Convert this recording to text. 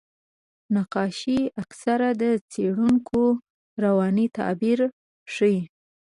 نقاشي اکثره د څېړونکو رواني تعبیر ښيي.